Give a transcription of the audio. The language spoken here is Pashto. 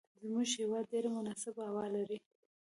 زموږ هیواد ډیره مناسبه هوا لری